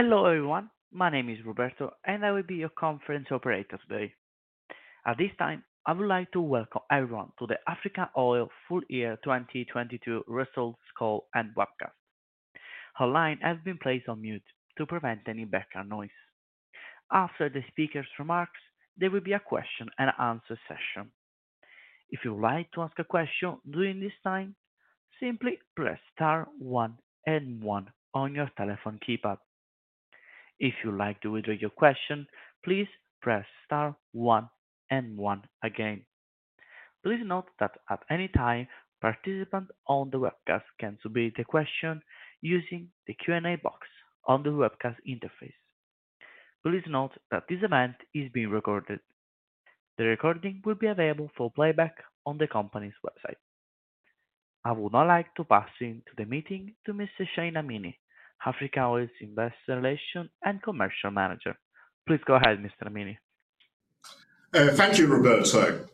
Hello, everyone. My name is Roberto, and I will be your conference operator today. At this time, I would like to welcome everyone to the Africa Oil full year 2022 results call and webcast. All lines have been placed on mute to prevent any background noise. After the speaker's remarks, there will be a question and answer session. If you would like to ask a question during this time, simply press star one and one on your telephone keypad. If you'd like to withdraw your question, please press star one and one again. Please note that at any time, participants on the webcast can submit a question using the Q&A box on the webcast interface. Please note that this event is being recorded. The recording will be available for playback on the company's website. I would now like to pass into the meeting to Mr. Shahin Amini, Africa Oil's Investor Relations and Commercial Manager. Please go ahead, Mr. Amini. Thank you, Roberto.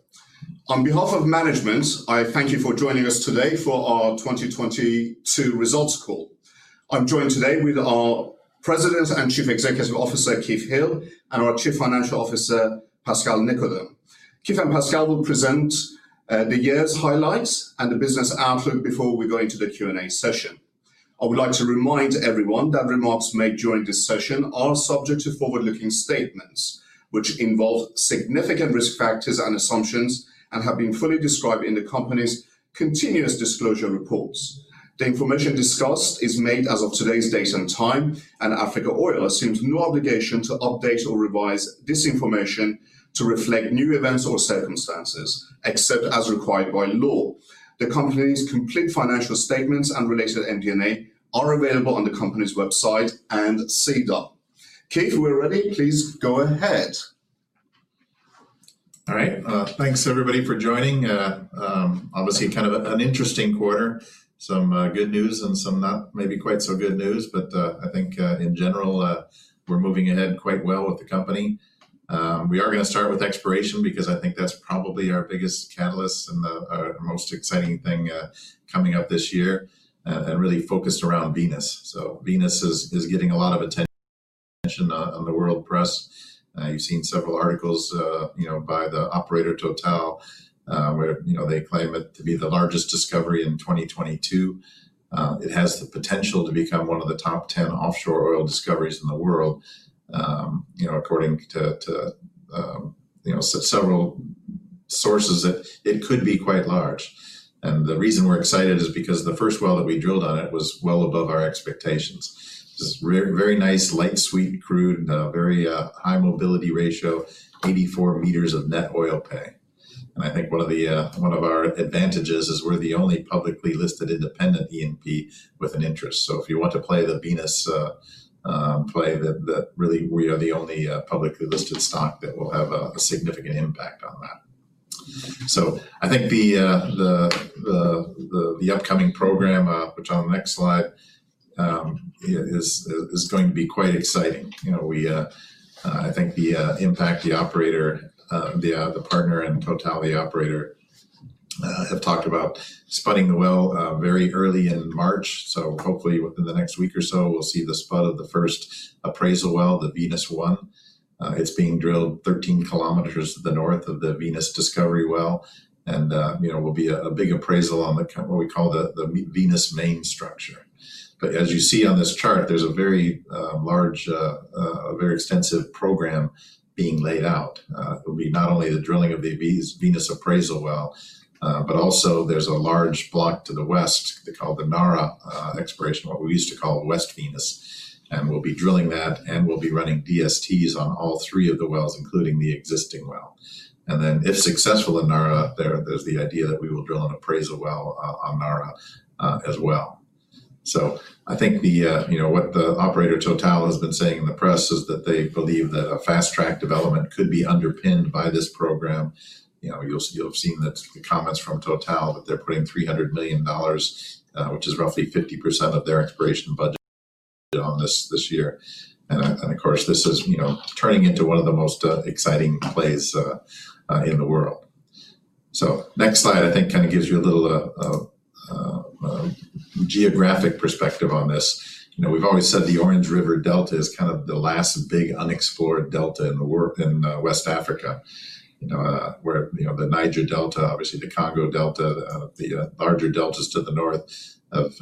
On behalf of management, I thank you for joining us today for our 2022 results call. I'm joined today with our President and Chief Executive Officer, Keith Hill, and our Chief Financial Officer, Pascal Nicodème. Keith and Pascal will present the year's highlights and the business outlook before we go into the Q&A session. I would like to remind everyone that remarks made during this session are subject to forward-looking statements which involve significant risk factors and assumptions and have been fully described in the company's continuous disclosure reports. The information discussed is made as of today's date and time. Africa Oil assumes no obligation to update or revise this information to reflect new events or circumstances except as required by law. The company's complete financial statements and related MD&A are available on the company's website and SEDAR. Keith, we're ready. Please go ahead. All right. Thanks everybody for joining. Obviously kind of an interesting quarter. Some good news and some not maybe quite so good news. I think in general, we're moving ahead quite well with the company. We are gonna start with exploration because I think that's probably our biggest catalyst and the our most exciting thing coming up this year, and really focused around Venus. Venus is getting a lot of attention on the world press. You've seen several articles, you know, by the operator Total, where, you know, they claim it to be the largest discovery in 2022. It has the potential to become one of the top 10 offshore oil discoveries in the world. You know, according to, you know, several sources, it could be quite large. The reason we're excited is because the first well that we drilled on it was well above our expectations. It's very nice light sweet crude and very high mobility ratio, 84 m of net oil pay. I think one of the one of our advantages is we're the only publicly listed independent E&P with an interest. If you want to play the Venus play that really we are the only publicly listed stock that will have a significant impact on that. I think the upcoming program, which on the next slide, is going to be quite exciting. You know, we, I think the Impact Oil & Gas, the partner and Total, the operator, have talked about spudding the well very early in March. Hopefully within the next week or so, we'll see the spud of the first appraisal well, the Venus-1. It's being drilled 13 km to the north of the Venus discovery well and, you know, will be a big appraisal on what we call the Venus main structure. As you see on this chart, there's a very large, a very extensive program being laid out. It'll be not only the drilling of the Venus appraisal well, but also there's a large block to the west they call the Nara exploration. What we used to call West Venus. We'll be drilling that, and we'll be running DSTs on all three of the wells, including the existing well. Then if successful in Nara, there's the idea that we will drill an appraisal well on Nara as well. I think the, you know, what the operator Total has been saying in the press is that they believe that a fast track development could be underpinned by this program. You know, you'll have seen the comments from Total that they're putting $300 million, which is roughly 50% of their exploration budget on this year. And of course, this is, you know, turning into one of the most exciting plays in the world. Next slide I think kind of gives you a little geographic perspective on this. You know, we've always said the Orange River Delta is kind of the last big unexplored delta in West Africa. You know, where, you know, the Niger Delta, obviously the Congo Delta, the larger deltas to the north have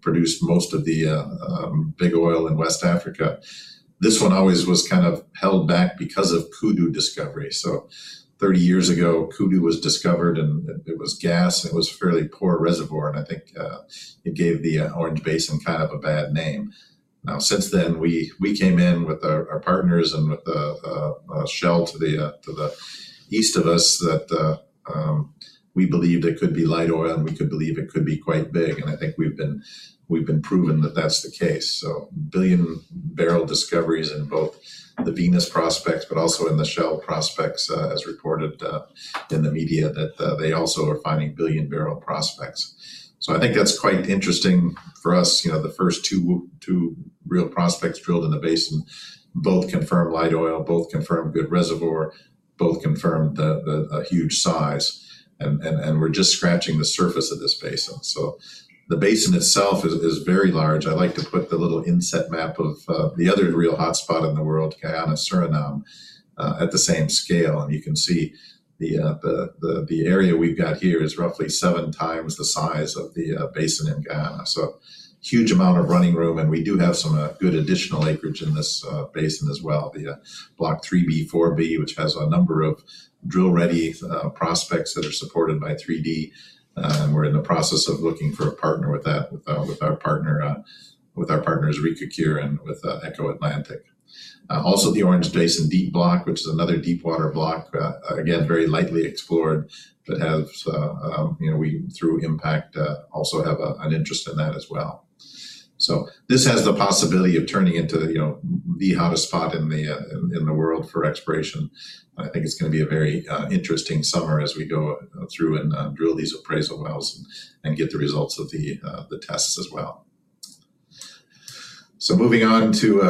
produced most of the big oil in West Africa. This one always was kind of held back because of Kudu discovery. Thirty years ago, Kudu was discovered and it was gas, and it was a fairly poor reservoir, and I think it gave the Orange Basin kind of a bad name. Now, since then, we came in with our partners and with Shell to the east of us that we believed it could be light oil, and we could believe it could be quite big. I think we've been proven that that's the case. Billion barrel discoveries in both the Venus prospects but also in the Shell prospects, as reported in the media that they also are finding billion barrel prospects. I think that's quite interesting for us. You know, the first two real prospects drilled in the basin. Both confirm light oil, both confirm good reservoir, both confirm the huge size. We're just scratching the surface of this basin. The basin itself is very large. I like to put the little inset map of the other real hotspot in the world, Guyana-Suriname, at the same scale. You can see the area we've got here is roughly seven times the size of the basin in Guyana. Huge amount of running room, and we do have some good additional acreage in this basin as well. The Block 3B, 4B, which has a number of drill-ready prospects that are supported by 3D. We're in the process of looking for a partner with that, with our partner, with our partners, Ricocure and with Eco (Atlantic). The Orange Basin Deep Block, which is another deepwater block, again, very lightly explored, but has. You know, we through Impact also have an interest in that as well. This has the possibility of turning into, you know, the hottest spot in the world for exploration. I think it's gonna be a very interesting summer as we go through and drill these appraisal wells and get the results of the tests as well. Moving on to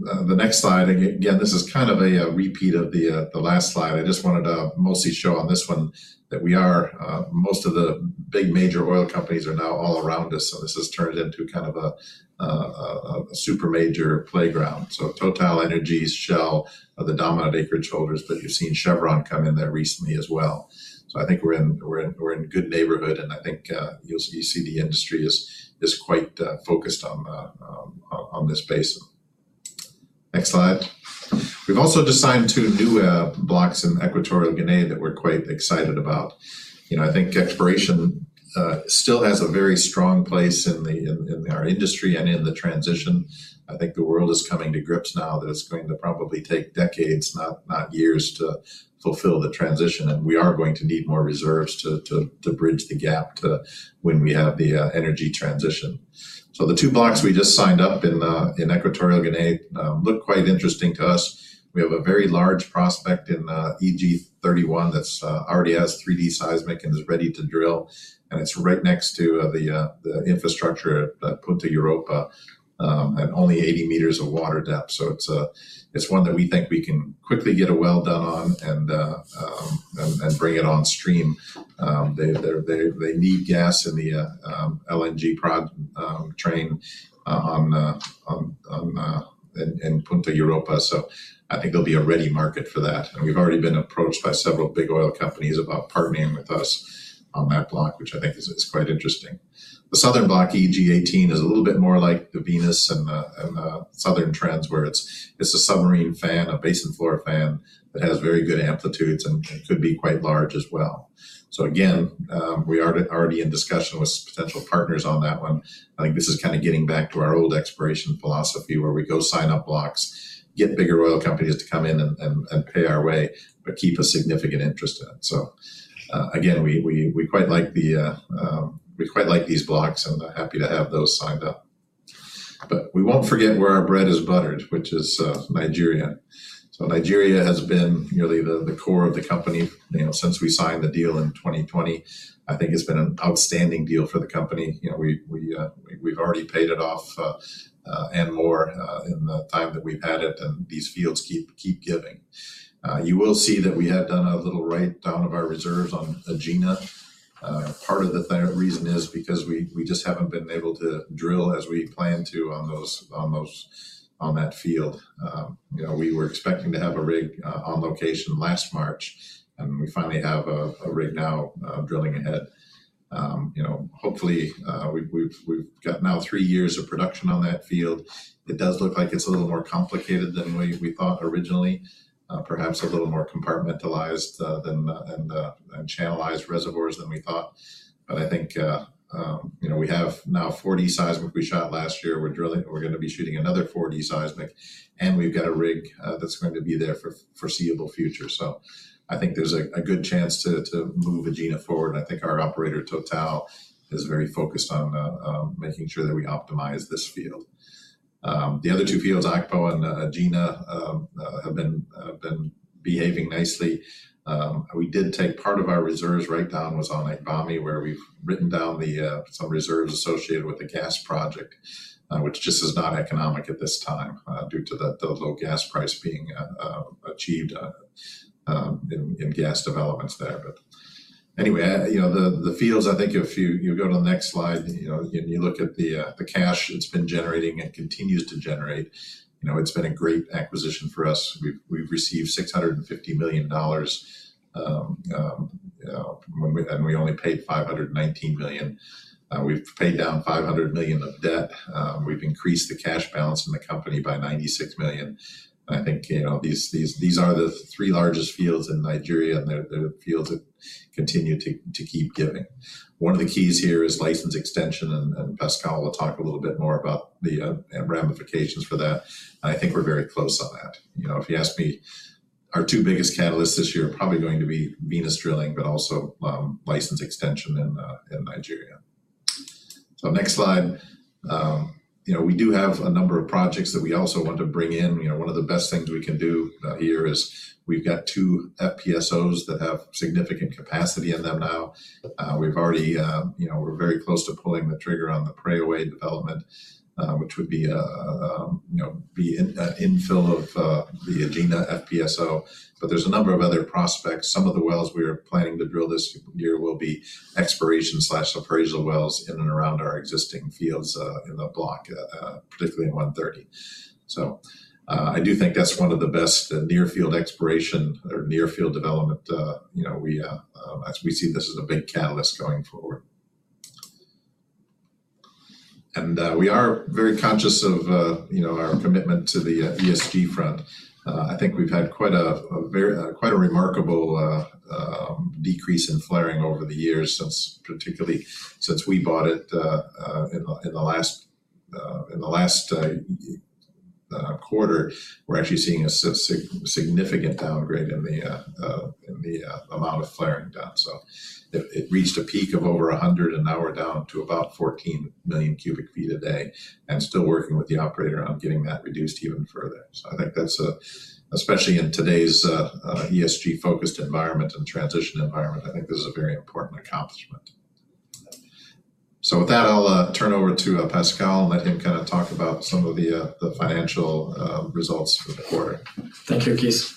the next slide. Again, this is kind of a repeat of the last slide. I just wanted to mostly show on this one that we are most of the big major oil companies are now all around us, so this has turned into kind of a super major playground. TotalEnergies, Shell are the dominant acreage holders, but you've seen Chevron come in there recently as well. I think we're in good neighborhood, and I think you see the industry is quite focused on this basin. Next slide. We've also just signed two new blocks in Equatorial Guinea that we're quite excited about. You know, I think exploration still has a very strong place in the in our industry and in the transition. I think the world is coming to grips now that it's going to probably take decades, not years to fulfill the transition, and we are going to need more reserves to bridge the gap to when we have the energy transition. The two blocks we just signed up in Equatorial Guinea look quite interesting to us. We have a very large prospect in EG-31 that's already has 3D seismic and is ready to drill, and it's right next to the infrastructure at Punta Europa, and only 80 m of water depth. It's one that we think we can quickly get a well done on and bring it on stream. They need gas in the LNG prod train on the in Punta Europa. I think there'll be a ready market for that. We've already been approached by several big oil companies about partnering with us on that block, which I think is quite interesting. The southern block, EG-18, is a little bit more like the Venus and the southern trends, where it's a submarine fan, a basin floor fan that has very good amplitudes and could be quite large as well. Again, we are already in discussion with potential partners on that one. I think this is kind of getting back to our old exploration philosophy, where we go sign up blocks, get bigger oil companies to come in and pay our way, but keep a significant interest in it. Again, we quite like the... we quite like these blocks and are happy to have those signed up. We won't forget where our bread is buttered, which is Nigeria. Nigeria has been really the core of the company, you know, since we signed the deal in 2020. I think it's been an outstanding deal for the company. You know, we've already paid it off and more in the time that we've had it, and these fields keep giving. You will see that we have done a little write-down of our reserves on Egina. Part of the reason is because we just haven't been able to drill as we had planned to on those, on that field. You know, we were expecting to have a rig on location last March, and we finally have a rig now drilling ahead. You know, hopefully, we've got now three years of production on that field. It does look like it's a little more complicated than we thought originally. Perhaps a little more compartmentalized than channelized reservoirs than we thought. I think, you know, we have now 4D seismic we shot last year. We're drilling... We're gonna be shooting another 4D seismic, and we've got a rig, that's going to be there for foreseeable future. I think there's a good chance to move Egina forward, and I think our operator, Total, is very focused on making sure that we optimize this field. The other two fields, Akpo and Egina, have been behaving nicely. We did take part of our reserves write-down was on Akpo, where we've written down the some reserves associated with the gas project, which just is not economic at this time, due to the low gas price being achieved in gas developments there. Anyway, you know, the fields, I think if you go to the next slide, you know, and you look at the cash it's been generating and continues to generate, you know, it's been a great acquisition for us. We've, we've received $650 million, and we only paid $519 million. We've paid down $500 million of debt. We've increased the cash balance in the company by $96 million. I think, you know, these are the three largest fields in Nigeria, and they're fields that continue to keep giving. One of the keys here is license extension, and Pascal will talk a little bit more about the ramifications for that. I think we're very close on that. You know, if you ask me, our two biggest catalysts this year are probably going to be Venus drilling, but also, license extension in Nigeria. Next slide. You know, we do have a number of projects that we also want to bring in. You know, one of the best things we can do here is we've got two FPSOs that have significant capacity in them now. We've already... You know, we're very close to pulling the trigger on the Preowei development, which would be a, you know, be infill of the Egina FPSO. There's a number of other prospects. Some of the wells we are planning to drill this year will be exploration/appraisal wells in and around our existing fields, in the block, particularly in 130. I do think that's one of the best near field exploration or near field development, you know, we as we see this as a big catalyst going forward. We are very conscious of, you know, our commitment to the ESG front. I think we've had quite a very quite a remarkable decrease in flaring over the years since, particularly since we bought it in the in the last in the last quarter. We're actually seeing a significant downgrade in the amount of flaring done. It, it reached a peak of over 100, and now we're down to about 14 MMcf a day and still working with the operator on getting that reduced even further. I think that's especially in today's ESG-focused environment and transition environment, I think this is a very important accomplishment. With that, I'll turn over to Pascal and let him kind a talk about some of the financial results for the quarter. Thank you, Keith.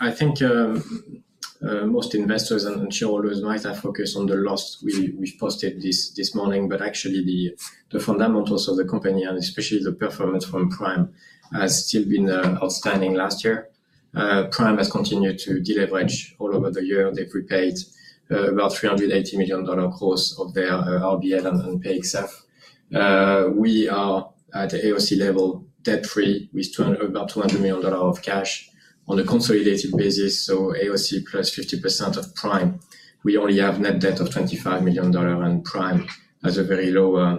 I think most investors and shareholders might have focused on the loss we posted this morning, but actually the fundamentals of the company, and especially the performance from Prime, has still been outstanding last year. Prime has continued to deleverage all over the year. They've repaid about $380 million cost of their RBL and paid self. We are at the AOC level, debt-free, with about $200 million of cash on a consolidated basis. AOC plus 50% of Prime. We only have net debt of $25 million, and Prime has a very low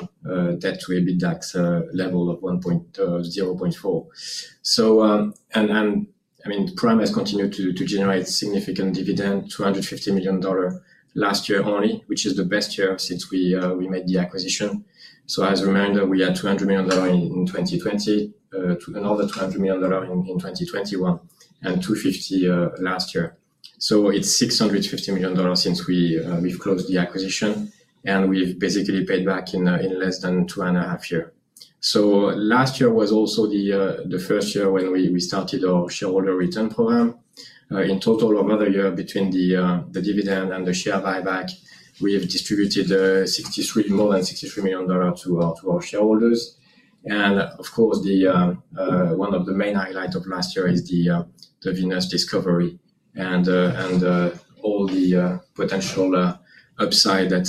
debt to EBITDA level of 0.4. I mean, Prime has continued to generate significant dividend, $250 million last year only, which is the best year since we made the acquisition. As a reminder, we had $200 million in 2020, another $200 million in 2021, and $250 million last year. It's $650 million since we've closed the acquisition, and we've basically paid back in less than two and a half year. Last year was also the first year when we started our shareholder return program. In total, over the year between the dividend and the share buyback, we have distributed more than $63 million to our shareholders. Of course, the one of the main highlight of last year is the Venus discovery and all the potential upside that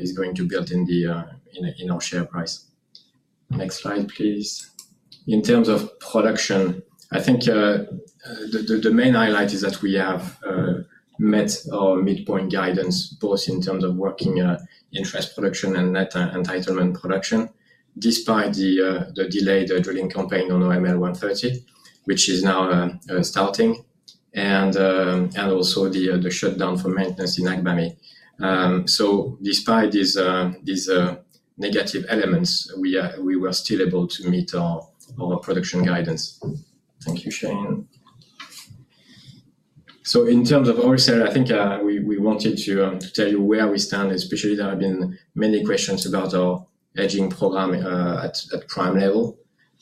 is going to build in our share price. Next slide, please. In terms of production, I think the main highlight is that we have met our midpoint guidance, both in terms of working interest production and net entitlement production, despite the delayed drilling campaign on OML 130, which is now starting, and also the shutdown for maintenance in Agbami. So despite these negative elements, we were still able to meet our production guidance. Thank you, Shahin. In terms of oil sale, I think, we wanted to tell you where we stand especially. There have been many questions about our hedging program at Prime level.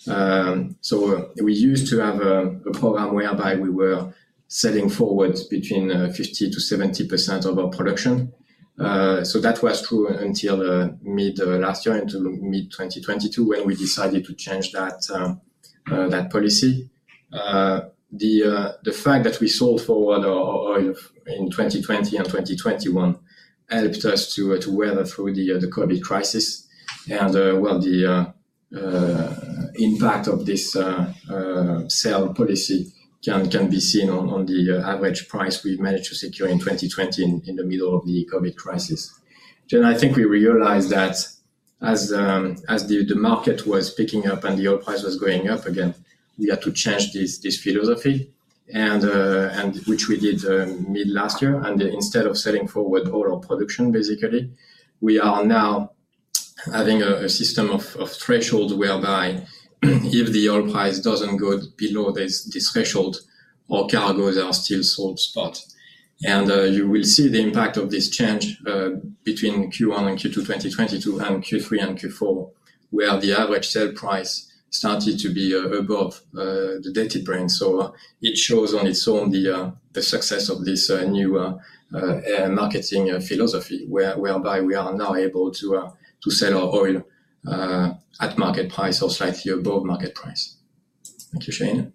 We used to have a program whereby we were selling forward between 50%-70% of our production. That was true until mid-last year, into mid-2022, when we decided to change that policy. The fact that we sold forward our oil in 2020 and 2021 helped us to weather through the COVID crisis. The impact of this sale policy can be seen on the average price we managed to secure in 2020 in the middle of the COVID crisis. I think we realized that as the market was picking up and the oil price was going up again, we had to change this philosophy and which we did mid last year. Instead of selling forward all our production, basically, we are now having a system of threshold whereby if the oil price doesn't go below this threshold, all cargoes are still sold spot. You will see the impact of this change between Q1 and Q2 2022, and Q3 and Q4, where the average sale price started to be above the Dated Brent. It shows on its own the success of this new marketing philosophy whereby we are now able to sell our oil at market price or slightly above market price. Thank you, Shahin.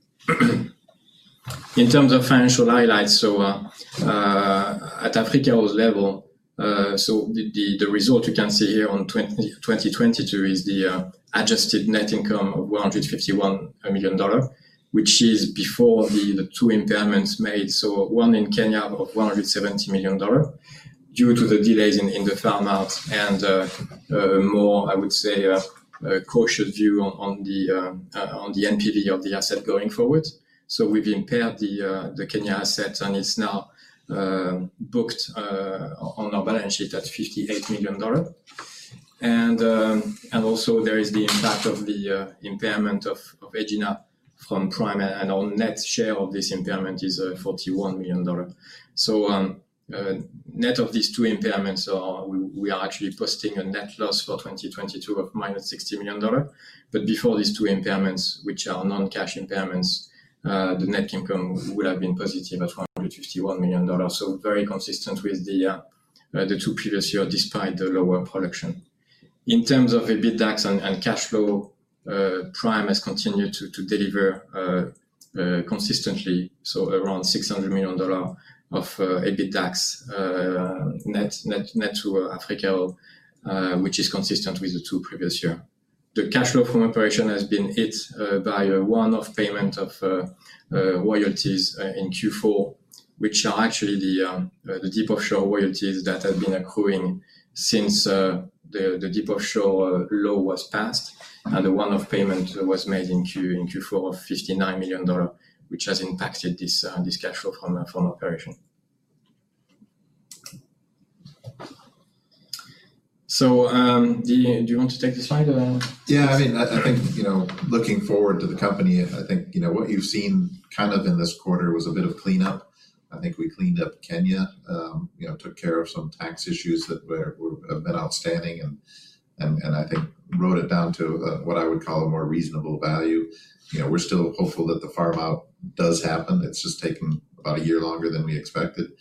In terms of financial highlights, at Africa Oil's level, the result you can see here on 2022 is the adjusted net income of $151 million, which is before the two impairments made. One in Kenya of $170 million, due to the delays in the farm out and more, I would say, a cautious view on the NPV of the asset going forward. We've impaired the Kenya asset, and it's now booked on our balance sheet at $58 million. Also there is the impact of the impairment of Egina from Prime, and our net share of this impairment is $41 million. Net of these two impairments, we are actually posting a net loss for 2022 of -$60 million. Before these two impairments, which are non-cash impairments, the net income would have been positive at $151 million. Very consistent with the two previous year despite the lower production. In terms of EBITDAX and cash flow, Prime has continued to deliver consistently, so around $600 million of EBITDAX net to Africa Oil, which is consistent with the two previous year. The cash flow from operation has been hit by a one-off payment of royalties in Q4, which are actually the deep offshore royalties that have been accruing since the deep offshore law was passed. The one-off payment was made in Q4 of $59 million, which has impacted this cash flow from operation. Do you want to take the slide or? I mean, I think, you know, looking forward to the company, I think, you know, what you've seen kind of in this quarter was a bit of cleanup. I think we cleaned up Kenya, you know, took care of some tax issues that have been outstanding and I think wrote it down to what I would call a more reasonable value. You know, we're still hopeful that the farm-out does happen. It's just taken about a year longer than we expected.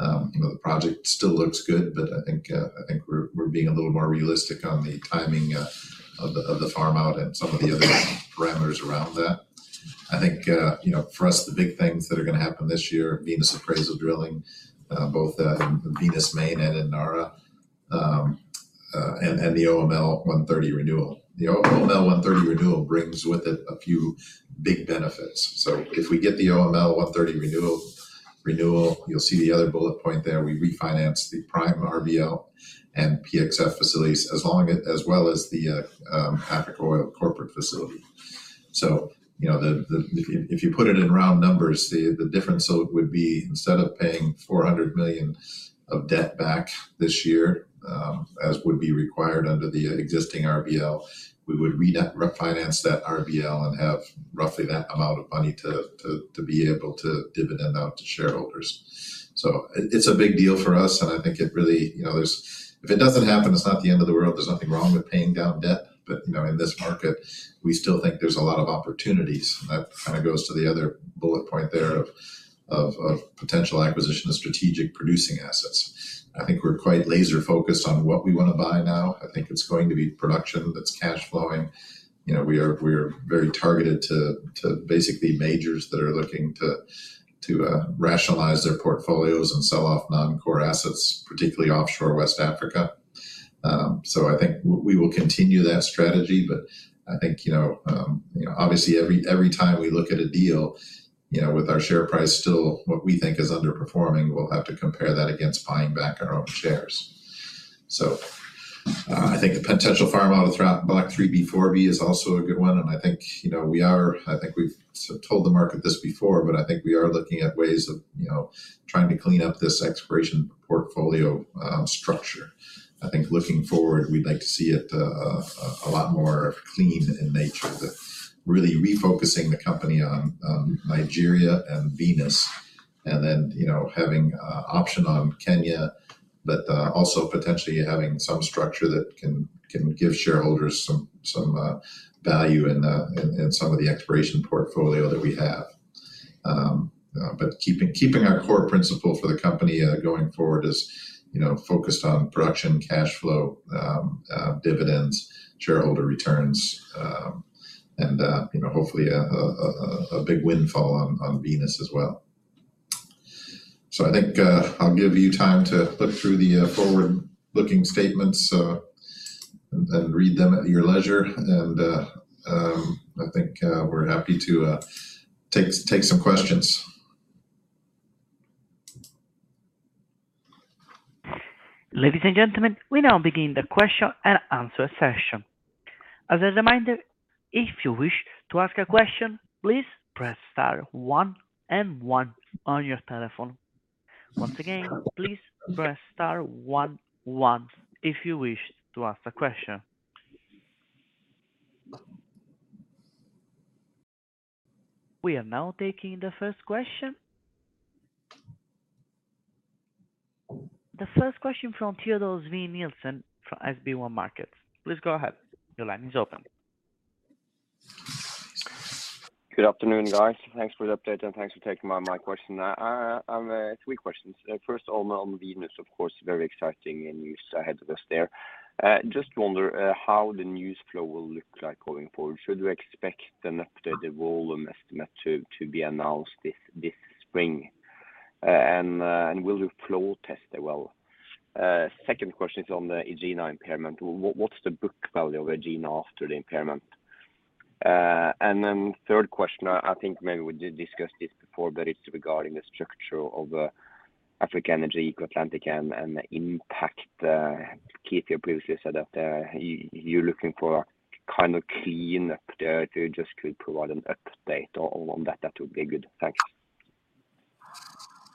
You know, the project still looks good, I think I think we're being a little more realistic on the timing of the farm-out and some of the other parameters around that. I think, you know, for us, the big things that are going to happen this year, Venus appraisal drilling, both in Venus Main and in Nara, and the OML 130 renewal. The OML 130 renewal brings with it a few big benefits. If we get the OML 130 renewal, you'll see the other bullet point there. We refinance the Prime RBL and PXF facilities as well as the Africa Oil corporate facility. You know, if you put it in round numbers, the difference would be instead of paying $400 million of debt back this year, as would be required under the existing RBL, we would refinance that RBL and have roughly that amount of money to be able to dividend out to shareholders. It, it's a big deal for us, and I think it really. You know, there's. If it doesn't happen, it's not the end of the world. There's nothing wrong with paying down debt. You know, in this market, we still think there's a lot of opportunities. That kind of goes to the other bullet point there of potential acquisition of strategic producing assets. I think we're quite laser-focused on what we wanna buy now. I think it's going to be production that's cash flowing. You know, we are very targeted to basically majors that are looking to rationalize their portfolios and sell off non-core assets, particularly offshore West Africa. I think we will continue that strategy. I think, you know, obviously every time we look at a deal, you know, with our share price still what we think is underperforming, we'll have to compare that against buying back our own shares. I think the potential farm-out of Block 3B/4B is also a good one, and I think, you know, I think we've told the market this before, I think we are looking at ways of, you know, trying to clean up this exploration portfolio structure. I think looking forward, we'd like to see it a lot more clean in nature. The really refocusing the company on Nigeria and Venus and then, you know, having a option on Kenya, but also potentially having some structure that can give shareholders some value in some of the exploration portfolio that we have. Keeping our core principle for the company going forward is, you know, focused on production, cash flow, dividends, shareholder returns, and, you know, hopefully a big windfall on Venus as well. I think I'll give you time to look through the forward-looking statements and read them at your leisure. I think we're happy to take some questions. Ladies and gentlemen, we now begin the question and answer session. As a reminder, if you wish to ask a question, please press star one and one on your telephone. Once again, please press star one, one, if you wish to ask a question. We are now taking the first question. The first question from Teodor Sveen-Nilsen from SpareBank 1 Markets. Please go ahead. Your line is open. Good afternoon, guys. Thanks for the update, and thanks for taking my question. I have three questions. First all on Venus, of course, very exciting and you saw ahead of us there. Just wonder how the news flow will look like going forward. Should we expect an updated volume estimate to be announced this spring? Will you flow test it well? Second question is on the Egina impairment. What's the book value of Egina after the impairment? Then third question, I think maybe we did discuss this before, but it's regarding the structure of Africa Energy, Eco (Atlantic), and the Impact, Keith previously said that you're looking for a kind of clean up there. If you just could provide an update on that would be good. Thanks.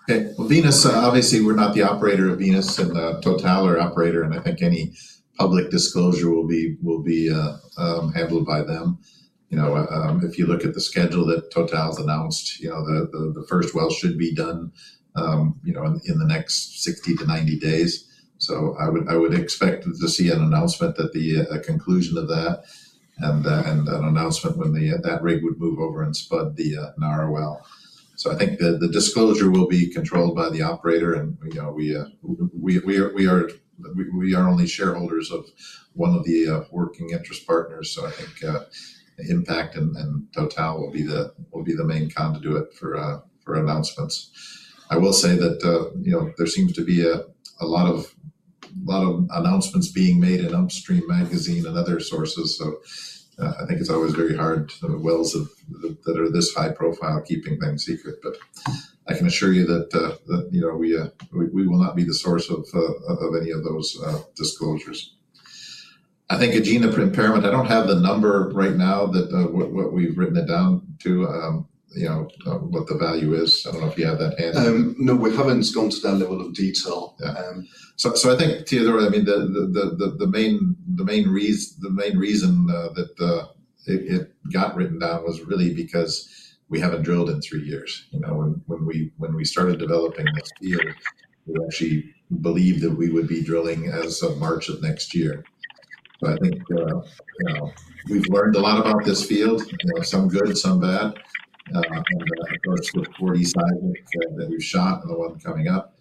Okay. Well, Venus, obviously we're not the operator of Venus. Total are operator, and I think any public disclosure will be handled by them. You know, if you look at the schedule that Total's announced, you know, the, the first well should be done, you know, in the next 60 to 90 days. I would, I would expect to see an announcement at the conclusion of that and an announcement when that rig would move over and spud the Nara well. I think the disclosure will be controlled by the operator and, you know, we are only shareholders of one of the working interest partners. I think Impact and Total will be the main con to do it for announcements. I will say that, you know, there seems to be a lot of announcements being made in Upstream magazine and other sources, I think it's always very hard to that are this high profile keeping things secret. I can assure you that, you know, we will not be the source of any of those disclosures. I think Egina impairment, I don't have the number right now that what we've written it down to, you know, what the value is. I don't know if you have that handy. No, we haven't gone to that level of detail. I think, Teodore, I mean, the main reason it got written down was really because we haven't drilled in three years. You know, when we started developing this field, we actually believed that we would be drilling as of March of next year. I think, you know, we've learned a lot about this field, you know, some good, some bad, and of course with 45 that we've shot and the one coming up,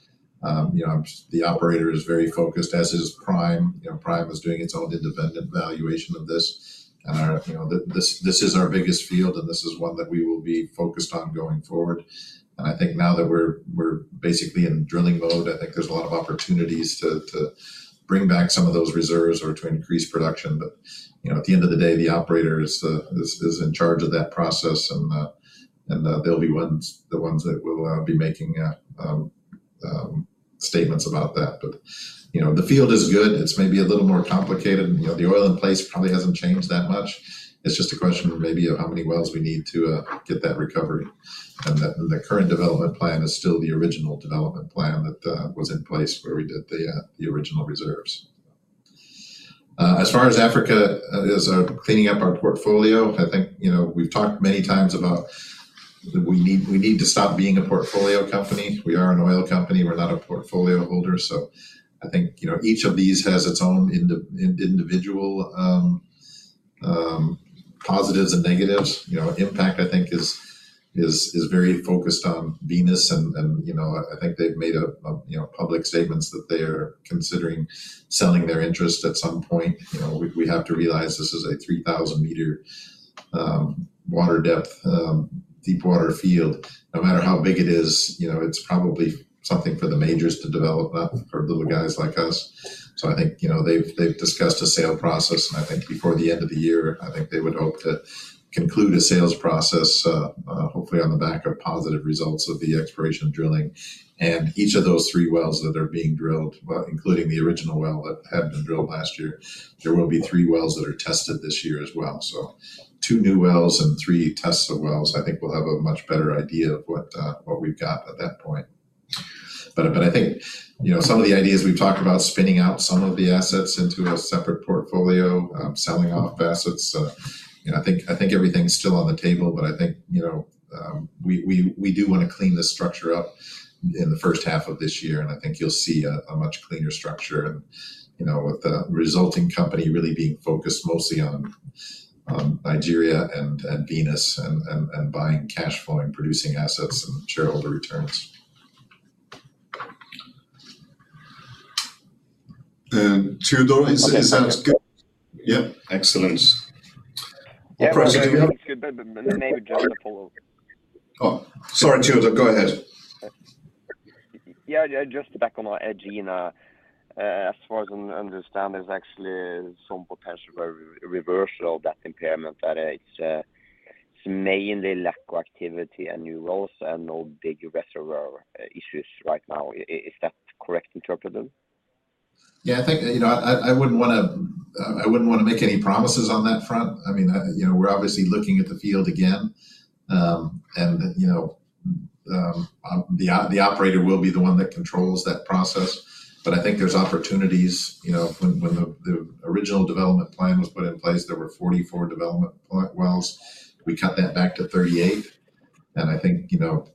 you know, the operator is very focused, as is Prime. You know, Prime is doing its own independent valuation of this and, you know, this is our biggest field, and this is one that we will be focused on going forward. I think now that we're basically in drilling mode, I think there's a lot of opportunities to bring back some of those reserves or to increase production. You know, at the end of the day, the operator is in charge of that process and they'll be the ones that will be making statements about that. You know, the field is good. It's maybe a little more complicated and, you know, the oil in place probably hasn't changed that much. It's just a question of maybe of how many wells we need to get that recovery. The current development plan is still the original development plan that was in place where we did the original reserves. As far as Africa is cleaning up our portfolio, I think, you know, we need to stop being a portfolio company. We are an oil company, we're not a portfolio holder. I think, you know, each of these has its own individual positives and negatives. You know, Impact, I think is very focused on Venus and, you know, I think they've made public statements that they are considering selling their interest at some point. You know, we have to realize this is a 3,000 m water depth deep water field. No matter how big it is, you know, it's probably something for the majors to develop, not for little guys like us. I think, you know, they've discussed a sale process, and I think before the end of the year, I think they would hope to conclude a sales process, hopefully on the back of positive results of the exploration drilling. Each of those three wells that are being drilled, well, including the original well that had been drilled last year, there will be three wells that are tested this year as well. Two new wells and three tests of wells, I think we'll have a much better idea of what we've got at that point. I think, you know, some of the ideas we've talked about, spinning out some of the assets into a separate portfolio, selling off assets, you know, I think everything's still on the table, but I think, you know, we do wanna clean this structure up in the first half of this year. I think you'll see a much cleaner structure and, you know, with the resulting company really being focused mostly on Nigeria and Venus and buying cash flow and producing assets and shareholder returns. Teodore, is that good? Yeah. Excellent. Yeah. Opera- It's good. Maybe just to follow up. Oh, sorry, Teodore, go ahead. Yeah, yeah. Just back on Egina. As far as I understand, there's actually some potential re-reversal of that impairment, that it's mainly lack of activity and new roles and no big reservoir, issues right now. Is that correct interpreted? Yeah, I think, you know, I wouldn't wanna make any promises on that front. I mean, you know, we're obviously looking at the field again. You know, the operator will be the one that controls that process. I think there's opportunities. You know, when the original development plan was put in place, there were 44 development wells. We cut that back to 38, I think, you know,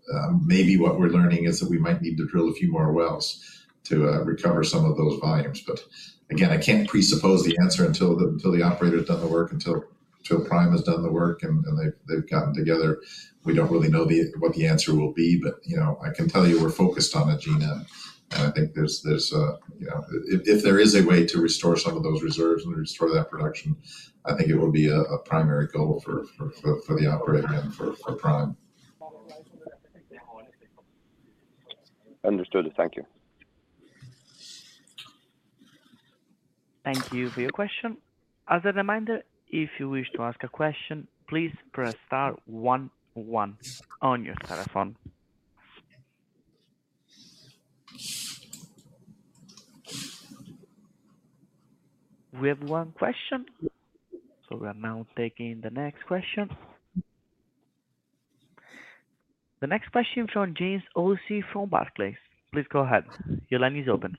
maybe what we're learning is that we might need to drill a few more wells to recover some of those volumes. Again, I can't presuppose the answer until the operator's done the work, until Prime has done the work and they've gotten together. We don't really know the... what the answer will be, but, you know, I can tell you we're focused on Egina, and I think there's, you know. If there is a way to restore some of those reserves and restore that production, I think it would be a primary goal for the operator and for Prime. Understood. Thank you. Thank you for your question. As a reminder, if you wish to ask a question, please press star one one on your telephone. We have one question, so we are now taking the next question. The next question from James Hosie from Barclays. Please go ahead. Your line is open.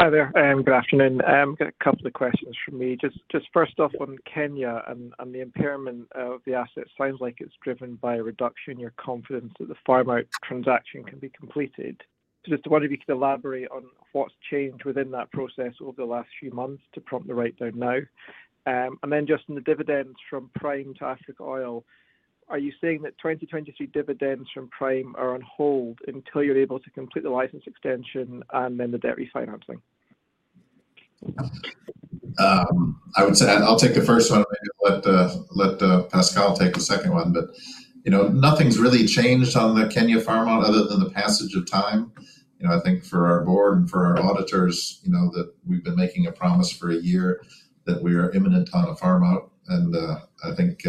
Hi there, good afternoon. Got two questions from me. Just first off on Kenya and the impairment of the asset. Sounds like it's driven by a reduction in your confidence that the farm out transaction can be completed. Just wonder if you could elaborate on what's changed within that process over the last few months to prompt the write down now. Just on the dividends from Prime to Africa Oil, are you saying that 2022 dividends from Prime are on hold until you're able to complete the license extension and then the debt refinancing? I would say. I'll take the first one, maybe let Pascal take the second one. You know, nothing's really changed on the Kenya farm out other than the passage of time. You know, I think for our board and for our auditors, you know, that we've been making a promise for a year that we are imminent on a farm out, and I think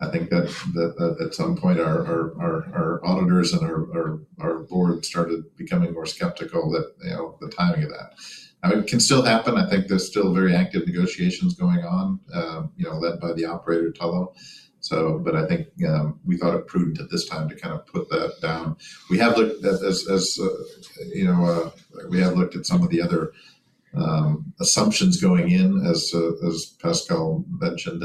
that at some point our auditors and our board started becoming more skeptical that, you know, the timing of that. I mean, it can still happen. I think there's still very active negotiations going on, you know, led by the operator, Tullow. I think we thought it prudent at this time to kind of put that down. We have looked at as, you know, we have looked at some of the other assumptions going in as Pascal mentioned.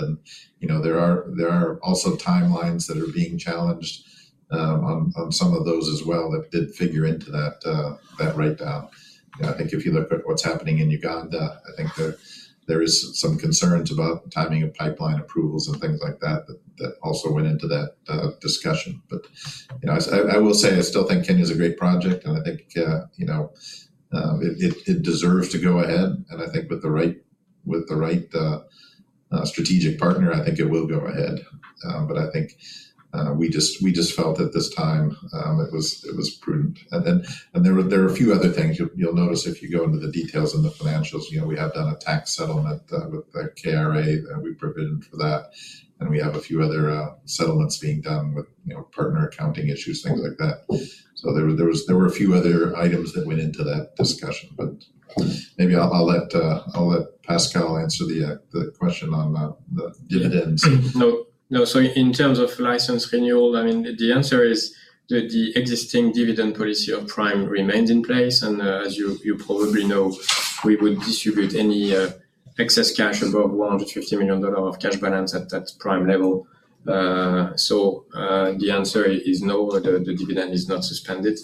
You know, there are also timelines that are being challenged on some of those as well that did figure into that write down. I think if you look at what's happening in Uganda, I think there is some concerns about timing of pipeline approvals and things like that also went into that discussion. You know, I will say I still think Kenya is a great project and I think, you know, it deserves to go ahead and I think with the right strategic partner, I think it will go ahead. I think, we just felt at this time, it was prudent. There were a few other things. You'll notice if you go into the details in the financials, you know, we have done a tax settlement with the KRA, and we've provided for that. We have a few other settlements being done with, you know, partner accounting issues, things like that. There were a few other items that went into that discussion. Maybe I'll let Pascal answer the question on the dividends. No, no. In terms of license renewal, I mean, the answer is the existing dividend policy of Prime remains in place. As you probably know, we would distribute any excess cash above $150 million of cash balance at that Prime level. The answer is no, the dividend is not suspended.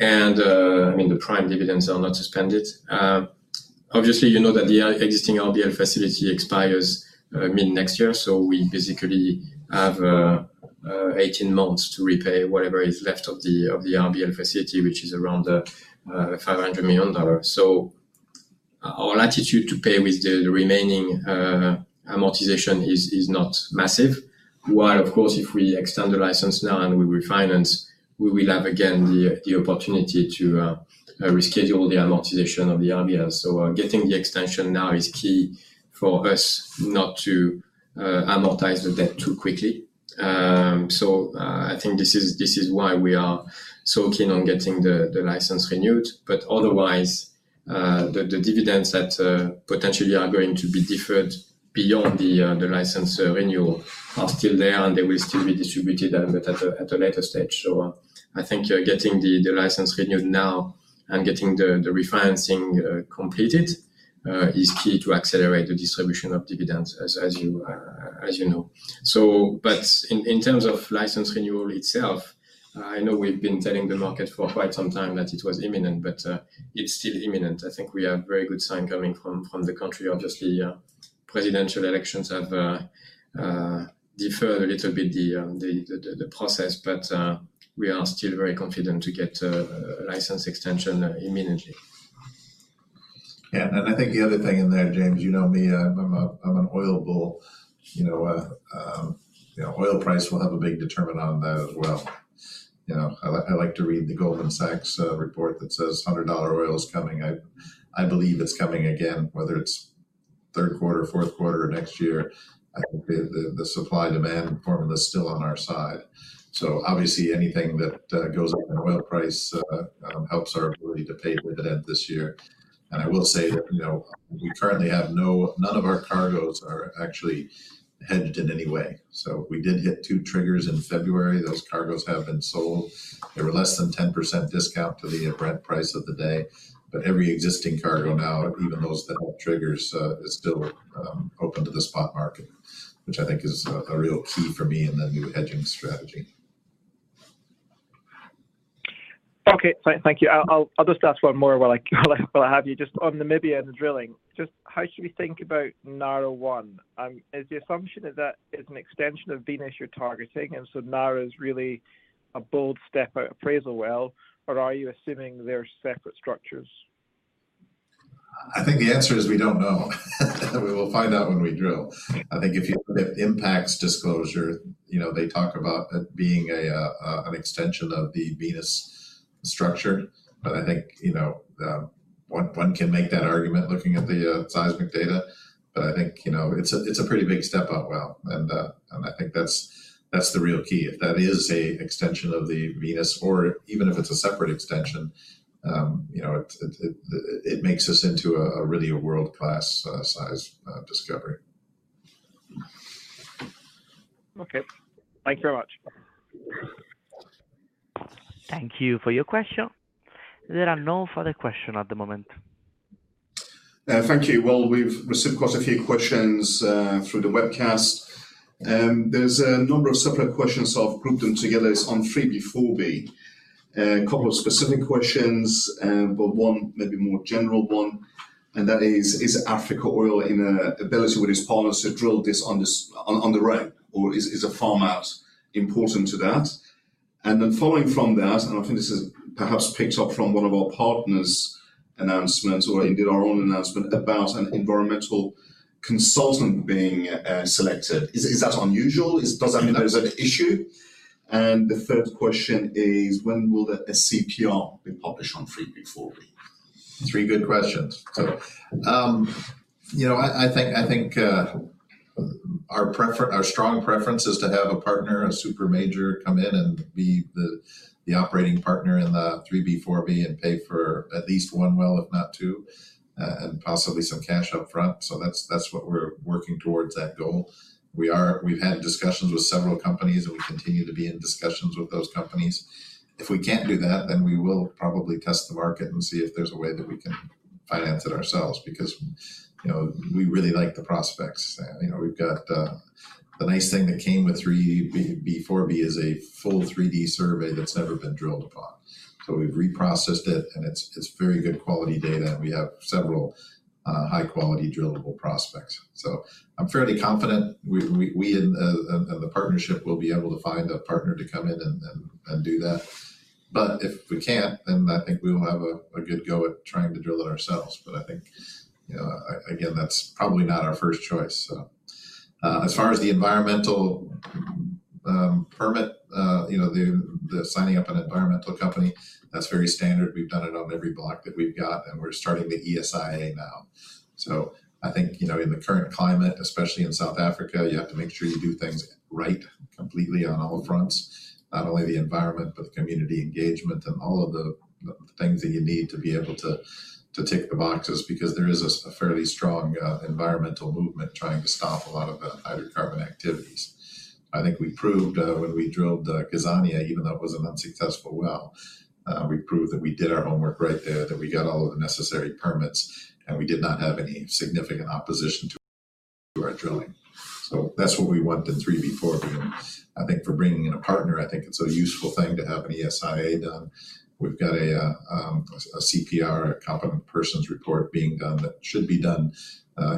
I mean, the Prime dividends are not suspended. Obviously, you know that the existing RBL facility expires mid next year. We basically have 18 months to repay whatever is left of the RBL facility, which is around $500 million. Our latitude to pay with the remaining amortization is not massive. Of course, if we extend the license now and we refinance, we will have again the opportunity to reschedule the amortization of the RBL. Getting the extension now is key for us not to amortize the debt too quickly. I think this is why we are so keen on getting the license renewed. Otherwise, the dividends that potentially are going to be deferred beyond the license renewal are still there, and they will still be distributed, but at a later stage. I think, yeah, getting the license renewed now and getting the refinancing completed is key to accelerate the distribution of dividends as you know. In terms of license renewal itself, I know we've been telling the market for quite some time that it was imminent, but, it's still imminent. I think we have very good sign coming from the country. Obviously, presidential elections have deferred a little bit the process. We are still very confident to get a license extension immediately. Yeah. I think the other thing in there, James, you know me, I'm, I'm an oil bull. You know, oil price will have a big determinant on that as well. I like to read the Goldman Sachs report that says $100 oil is coming. I believe it's coming again, whether it's third quarter, fourth quarter or next year. I think the supply demand formula is still on our side. Obviously anything that goes up in oil price helps our ability to pay dividend this year. I will say that, you know, we currently have none of our cargoes are actually hedged in any way. We did hit two triggers in February. Those cargoes have been sold. They were less than 10% discount to the Brent price of the day. Every existing cargo now, even those that hold triggers, is still open to the spot market, which I think is a real key for me in the new hedging strategy. Okay. Thank you. I'll just ask one more while I have you just on Namibia and the drilling. How should we think about Nara-1? Is the assumption is that it's an extension of Venus you're targeting, Nara is really a bold step appraisal well, or are you assuming they're separate structures? I think the answer is we don't know. We will find out when we drill. I think if you look at impacts disclosure, you know, they talk about it being an extension of the Venus structure. I think, you know, one can make that argument looking at the seismic data. I think, you know, it's a pretty big step up well. I think that's the real key. If that is a extension of the Venus or even if it's a separate extension, you know, it makes this into a really a world-class size discovery. Okay. Thank you very much. Thank you for your question. There are no further question at the moment. Thank you. Well, we've received quite a few questions through the webcast. There's a number of separate questions. I've grouped them together. It's on 3B/4B. A couple of specific questions, but one maybe more general one, and that is Africa Oil in a ability with its partners to drill this on the right or is a farm out important to that? Following from that, I think this is perhaps picked up from one of our partners' announcements or indeed our own announcement about an environmental consultant being selected. Is that unusual? Does that mean there's an issue? The third question is, when will the CPR be published on 3B/4B? Three good questions. You know, I think our strong preference is to have a partner, a super major come in and be the operating partner in the 3B/4B and pay for at least one well if not two, and possibly some cash up front. That's what we're working towards that goal. We've had discussions with several companies, and we continue to be in discussions with those companies. If we can't do that, then we will probably test the market and see if there's a way that we can finance it ourselves because, you know, we really like the prospects. You know, we've got the nice thing that came with 3B/4B is a full 3D survey that's never been drilled upon. We've reprocessed it, and it's very good quality data and we have several high quality drillable prospects. I'm fairly confident we and the partnership will be able to find a partner to come in and do that. If we can't, then I think we will have a good go at trying to drill it ourselves. I think, you know, again, that's probably not our first choice, so. As far as the environmental permit, you know, the signing up an environmental company, that's very standard. We've done it on every block that we've got, and we're starting the ESIA now. I think, you know, in the current climate, especially in South Africa, you have to make sure you do things right completely on all fronts. Not only the environment, but the community engagement and all of the things that you need to be able to tick the boxes because there is a fairly strong environmental movement trying to stop a lot of the hydrocarbon activities. I think we proved when we drilled Gazania-1, even though it was an unsuccessful well, we proved that we did our homework right there, that we got all of the necessary permits, and we did not have any significant opposition to our drilling. That's what we want in 3B/4B. I think for bringing in a partner, I think it's a useful thing to have an ESIA done. We've got a CPR, a Competent Person's Report being done that should be done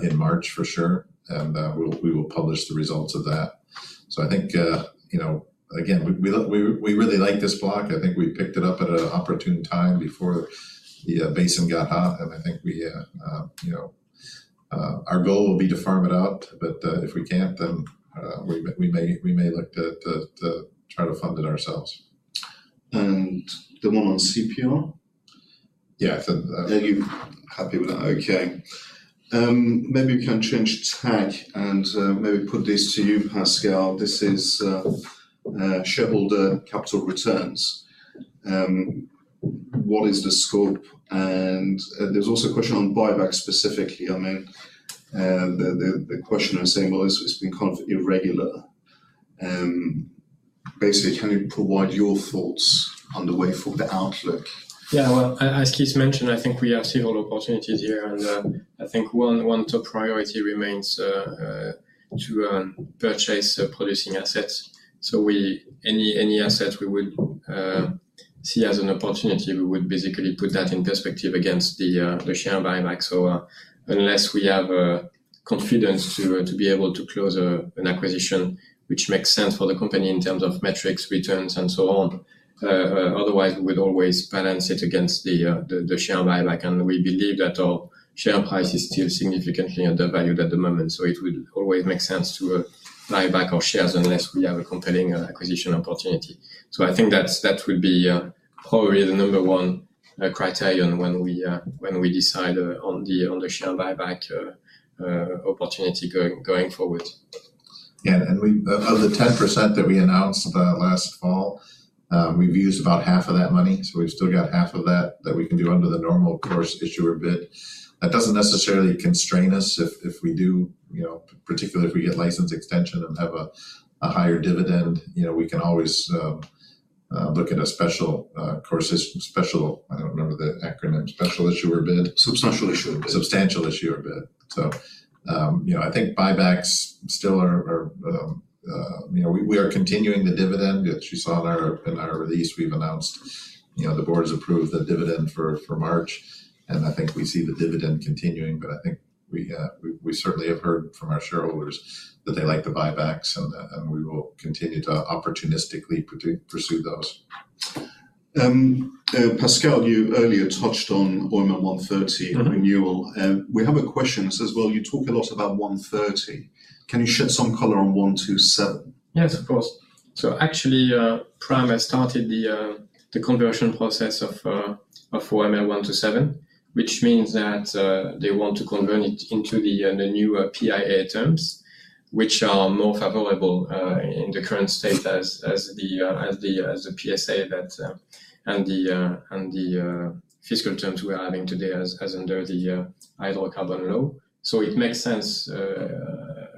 in March for sure. We will publish the results of that. I think, you know, again, we really like this block. I think we picked it up at a opportune time before the basin got hot, and I think we, you know, our goal will be to farm it out. If we can't, then we may look to try to fund it ourselves. The one on CPR? Yeah. If that- Yeah, you're happy with that. Okay. Maybe we can change tack and maybe put this to you, Pascal. This is shareholder capital returns. What is the scope? There's also a question on buyback specifically. I mean, the questioner is saying, "Well, it's been kind of irregular." Basically, can you provide your thoughts on the way for the outlook? Yeah. Well, as Keith mentioned, I think we have several opportunities here. I think one top priority remains to purchase producing assets. Any asset we would see as an opportunity, we would basically put that in perspective against the share buyback. Unless we have confidence to be able to close an acquisition which makes sense for the company in terms of metrics, returns and so on, otherwise we'd always balance it against the share buyback. We believe that our share price is still significantly undervalued at the moment, it would always make sense to buy back our shares unless we have a compelling acquisition opportunity. I think that's, that would be, probably the number one criterion when we decide on the share buyback opportunity going forward. Yeah. Of the 10% that we announced last fall, we've used about half of that money. We've still got half of that we can do under the Normal Course Issuer Bid. That doesn't necessarily constrain us if we do, you know, particularly if we get license extension and have a higher dividend. You know, we can always look at a special... I don't remember the acronym. Special Issuer Bid? Substantial Issuer Bid. Substantial Issuer Bid. You know, I think buybacks still are... You know, we are continuing the dividend that you saw in our release. We've announced, you know, the board has approved the dividend for March. I think we see the dividend continuing. I think we certainly have heard from our shareholders that they like the buybacks and we will continue to opportunistically pursue those. Pascal, you earlier touched on OML 130. Mm-hmm... renewal. We have a question that says, "You talk a lot about 130. Can you shed some color on 127? Yes, of course. Actually, Prime has started the conversion process of OML 127, which means that they want to convert it into the new PIA terms, which are more favorable in the current state as the PSA that and the fiscal terms we are having today as under the Hydrocarbon Law. It makes sense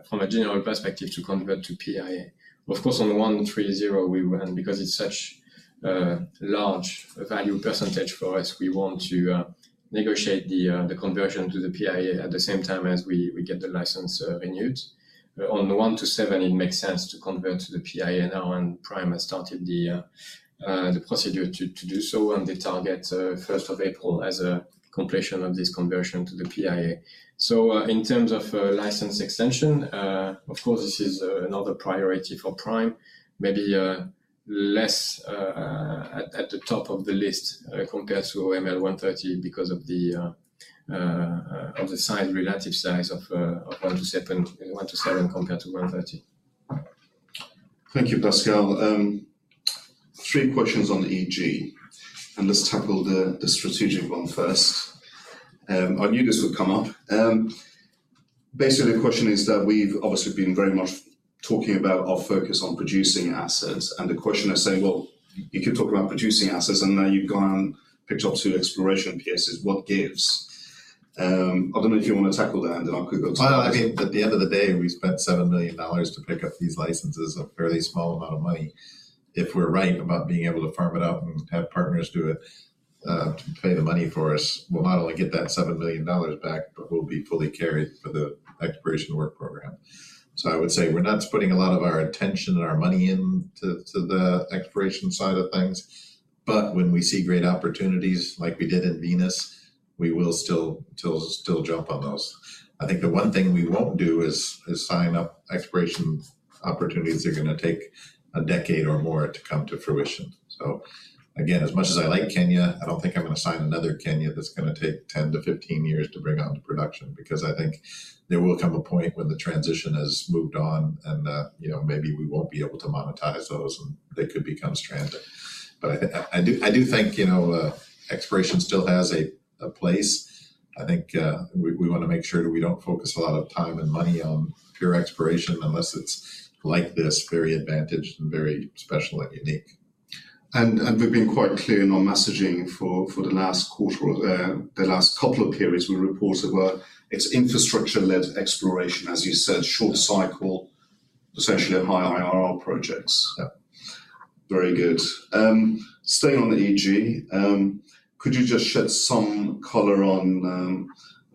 from a general perspective to convert to PIA. Of course, on 130 we run because it's such a large value percentage for us, we want to negotiate the conversion to the PIA at the same time as we get the license renewed. On the 127 it makes sense to convert to the PIA now. Prime has started the procedure to do so. They target first of April as a completion of this conversion to the PIA. In terms of license extension, of course, this is another priority for Prime. Maybe less at the top of the list compared to OML 130 because of the size, relative size of 127 compared to 130. Thank you, Pascal. Three questions on EG. Let's tackle the strategic one first. I knew this would come up. Basically, the question is that we've obviously been very much talking about our focus on producing assets, and the question is saying, "Well, you could talk about producing assets and now you've gone and picked up two exploration pieces. What gives?" I don't know if you wanna tackle that, and then I'll quickly- I think at the end of the day, we spent $7 million to pick up these licenses, a fairly small amount of money. If we're right about being able to farm it out and have partners do it, to pay the money for us, we'll not only get that $7 million back, but we'll be fully carried for the exploration work program. I would say we're not putting a lot of our attention and our money into, to the exploration side of things. When we see great opportunities like we did in Venus, we will still jump on those. I think the one thing we won't do is sign up exploration opportunities that are gonna take a decade or more to come to fruition. Again, as much as I like Kenya, I don't think I'm gonna sign another Kenya that's gonna take 10 to 15 years to bring on to production because I think there will come a point when the transition has moved on and, you know, maybe we won't be able to monetize those and they could become stranded. I do think, you know, exploration still has a place. I think we wanna make sure that we don't focus a lot of time and money on pure exploration unless it's like this, very advantaged and very special and unique. We've been quite clear in our messaging for the last quarter or the last couple of periods we reported where it's infrastructure-led exploration. As you said, short cycle, essentially high IRR projects. Yeah. Very good. Staying on the ESG, could you just shed some color on,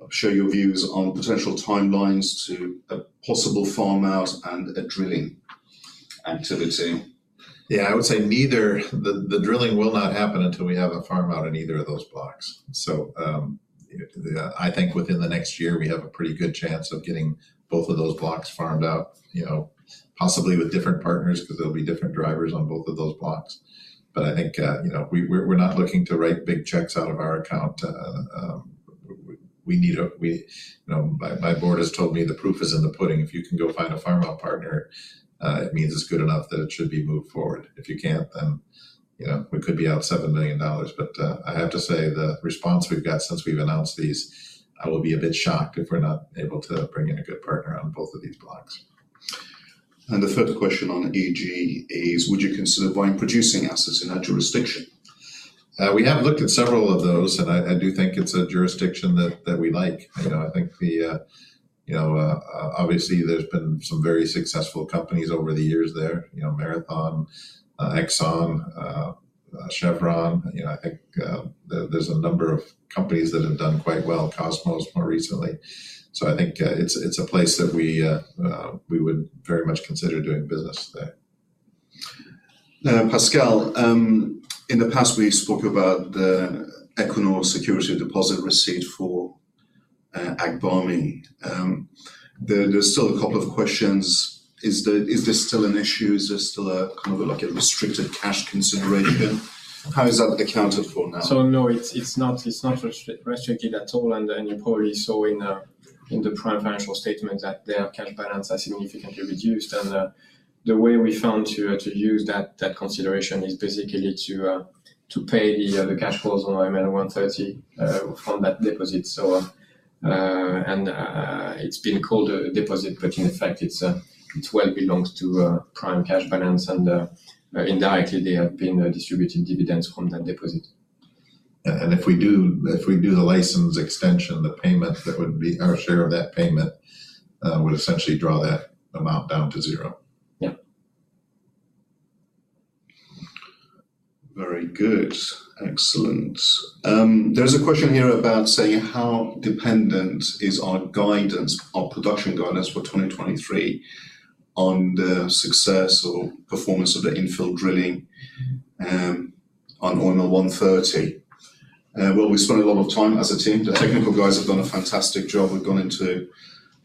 share your views on potential timelines to a possible farm out and a drilling activity? I would say neither... The drilling will not happen until we have a farm out on either of those blocks. You know, I think within the next year we have a pretty good chance of getting both of those blocks farmed out, you know. Possibly with different partners because there'll be different drivers on both of those blocks. I think, you know, we're not looking to write big checks out of our account. We need a, you know, my board has told me the proof is in the pudding. If you can go find a farm out partner, it means it's good enough that it should be moved forward. If you can't, then, you know, we could be out $7 million. I have to say the response we've got since we've announced these, I will be a bit shocked if we're not able to bring in a good partner on both of these blocks. The third question on EG is would you consider buying producing assets in that jurisdiction? We have looked at several of those. I do think it's a jurisdiction that we like. You know, I think the, you know, obviously there's been some very successful companies over the years there. You know, Marathon, Exxon, Chevron. You know, I think there's a number of companies that have done quite well. Kosmos more recently. I think it's a place that we would very much consider doing business there. Pascal, in the past we spoke about the Equinor security deposit receipt for Agbami. There's still a couple of questions. Is this still an issue? Is this still a kind of like a restricted cash consideration? How is that accounted for now? no, it's not restricted at all. You probably saw in the Prime financial statement that their cash balance has significantly reduced. The way we found to use that consideration is basically to pay the cash flows on OML 130 from that deposit. It's been called a deposit, but in effect it's well belongs to Prime cash balance and indirectly they have been distributing dividends from that deposit. If we do the license extension, the payment that would be our share of that payment would essentially draw that amount down to zero. Yeah. Very good. Excellent. There is a question here about saying how dependent is our guidance, our production guidance for 2023 on the success or performance of the infill drilling on OML 130? Well, we spent a lot of time as a team. The technical guys have done a fantastic job. We've gone into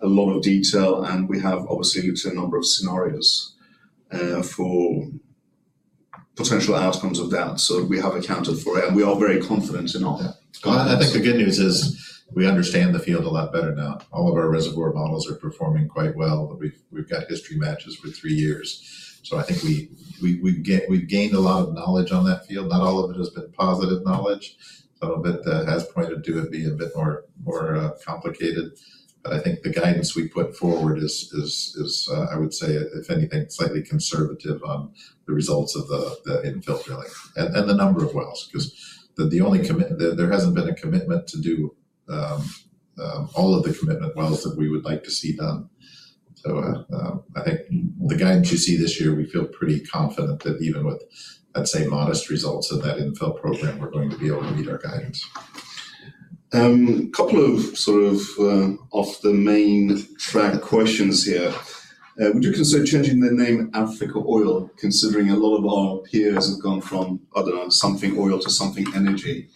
a lot of detail, and we have obviously looked at a number of scenarios for potential outcomes of that. We have accounted for it, and we are very confident in our guidance. Well, I think the good news is we understand the field a lot better now. All of our reservoir models are performing quite well. We've got history matches for three years. I think we've gained a lot of knowledge on that field. Not all of it has been positive knowledge. Some of it has pointed to it being a bit more complicated. I think the guidance we put forward is, I would say if anything, slightly conservative on the results of the infill drilling and the number of wells. Because there hasn't been a commitment to do all of the commitment wells that we would like to see done. I think the guidance you see this year, we feel pretty confident that even with, I'd say, modest results of that infill program, we're going to be able to meet our guidance. Couple of sort of off the main track questions here. Would you consider changing the name Africa Oil, considering a lot of our peers have gone from either something oil to something energy?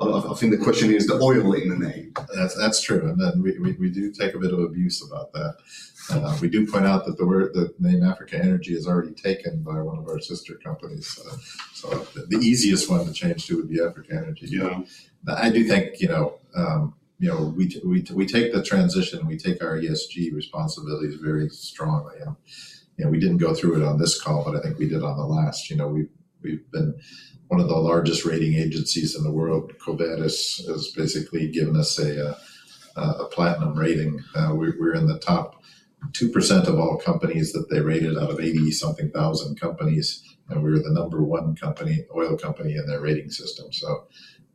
I think the question is the oil in the name. That's true, and then we do take a bit of abuse about that. We do point out that the name Africa Energy is already taken by one of our sister companies, so the easiest one to change to would be Africa Energy. Yeah. I do think, you know, we take the transition, we take our ESG responsibilities very strongly. We didn't go through it on this call, but I think we did on the last. We've been one of the largest rating agencies in the world. EcoVadis has basically given us a platinum rating. We're in the top 2% of all companies that they rated out of 80 something thousand companies, and we were the number one company, oil company in their rating system.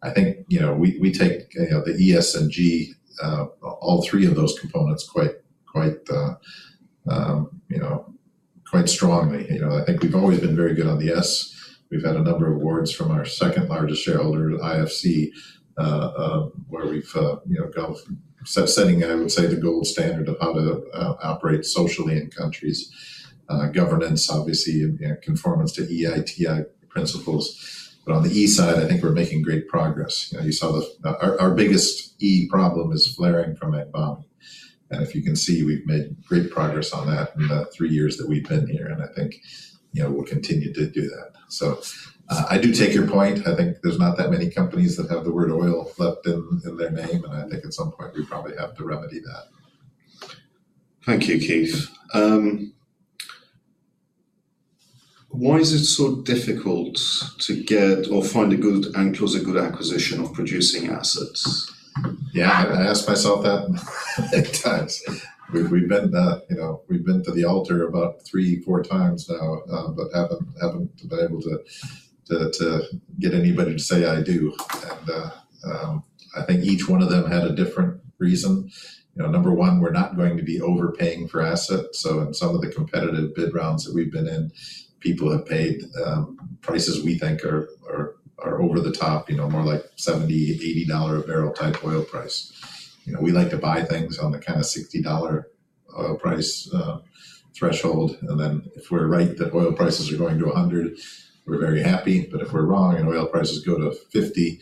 I think, you know, we take, you know, the ES and G, all three of those components quite strongly. I think we've always been very good on the S. We've had a number of awards from our second-largest shareholder, IFC, where we've, you know, set, setting, I would say, the gold standard of how to operate socially in countries. Governance obviously in, you know, conformance to EITI principles. On the E side, I think we're making great progress. You know, you saw the. Our biggest E problem is flaring from Agbami. If you can see, we've made great progress on that in the three years that we've been here, and I think, you know, we'll continue to do that. I do take your point. I think there's not that many companies that have the word Oil left in their name, and I think at some point we probably have to remedy that. Thank you, Keith. Why is it so difficult to get or find and close a good acquisition of producing assets? Yeah, I ask myself that many times. We've been, you know, we've been to the altar about three, four times now, but haven't been able to get anybody to say I do. I think each one of them had a different reason. You know, number one, we're not going to be overpaying for assets. In some of the competitive bid rounds that we've been in, people have paid prices we think are over the top, you know, more like $70, $80 a barrel type oil price. You know, we like to buy things on the kinda $60 oil price threshold, and then if we're right that oil prices are going to $100, we're very happy. If we're wrong and oil prices go to $50,